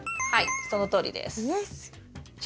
はいそのとおりです。